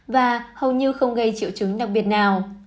và hầu như không gây triệu chứng đặc biệt nào